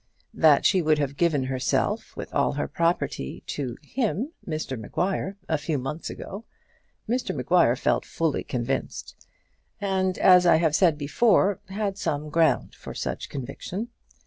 That she would have given herself, with all her property, to him, Maguire, a few months ago, Mr Maguire felt fully convinced, and, as I have said before, had some ground for such conviction.